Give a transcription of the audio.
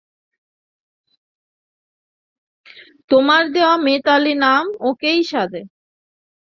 তোমার দেওয়া মিতালি নাম ওকেই সাজে।